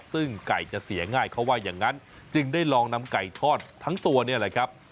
ซึ่งไก่จะเสียง่ายเขาว่าอย่างนั้นจึงได้ลองนำไก่ทอดทั้งตัวเนี่ยแหละครับ